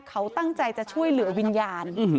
เขาตั้งใจจะช่วยเหลือวิญญาณ